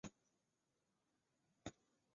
治所在永年县。